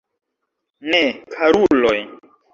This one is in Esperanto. Ne, karuloj.